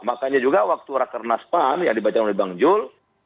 makanya juga waktu rakernas pan yang dibaca oleh bang jul